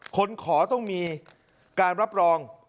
เพราะต้องมีการรับรอง